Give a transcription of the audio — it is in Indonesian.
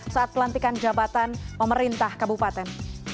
saat pelantikan jabatan pemerintah kabupaten